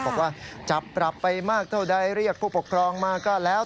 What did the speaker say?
บอกว่าจับปรับไปมากเท่าใดเรียกผู้ปกครองมาก็แล้ว